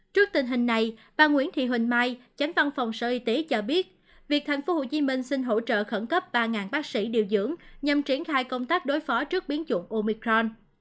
trước tình hình này bà nguyễn thị huỳnh mai chánh văn phòng sở y tế cho biết việc tp hcm xin hỗ trợ khẩn cấp ba bác sĩ điều dưỡng nhằm triển khai công tác đối phó trước biến dụng omicron